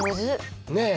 ねえ。